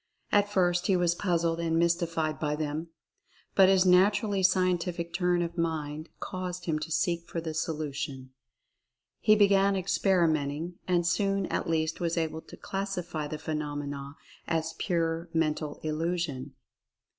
At first he was puzzled and mystified by them, but his naturally scien tific turn of mind caused him to seek for the solution. He began experimenting, and soon at least was able to classify the phenomena as pure Mental Illusion.